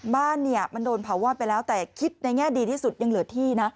บ้านเนี่ยมันโดนเผาวอดไปแล้วแต่คิดในแง่ดีที่สุดยังเหลือที่นะ